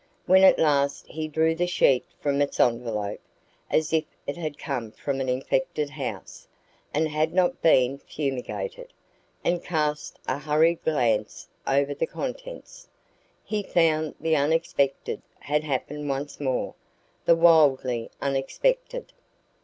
When at last he drew the sheet from its envelope, as if it had come from an infected house, and had not been fumigated, and cast a hurried glance over the contents, he found that the unexpected had happened once more the wildly unexpected.